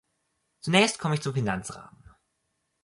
Zunächst komme ich zum Finanzrahmen.